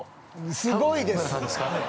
すごいです。